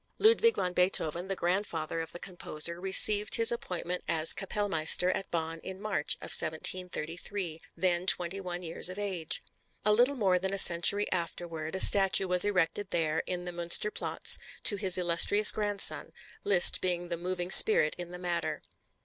Ludwig van Beethoven, the grandfather of the composer, received his appointment as Kapellmeister at Bonn in March of 1733, then twenty one years of age. A little more than a century afterward a statue was erected there in the Münster Platz to his illustrious grandson, Liszt being the moving spirit in the matter.